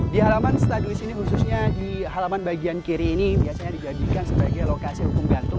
di halaman staduis ini khususnya di halaman bagian kiri ini biasanya dijadikan sebagai lokasi hukum gantung